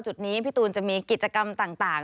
จุดนี้พี่ตูนจะมีกิจกรรมต่าง